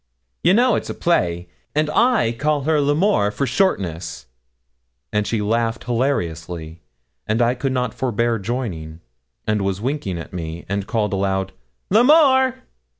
'You know it's a play, and I call her L'Amour for shortness;' and she laughed hilariously, and I could not forbear joining; and, winking at me, she called aloud, 'L'Amour.'